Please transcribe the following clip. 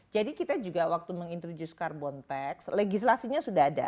jadi kita juga waktu menginterjus carbon tax legislasinya sudah ada